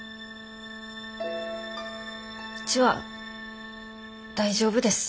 うちは大丈夫です。